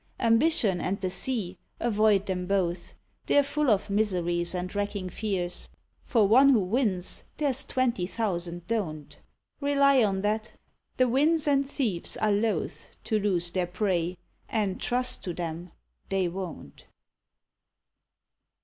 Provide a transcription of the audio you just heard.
Ambition and the Sea, avoid them both, They're full of miseries and racking fears; For one who wins there's twenty thousand don't. Rely on that; the winds and thieves are loth To lose their prey (and trust to them) they won't.